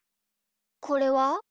これは？